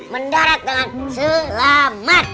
mendarat dengan selamat